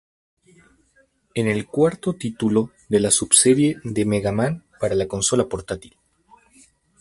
Es el cuarto título de la subserie de Mega Man para la consola portátil.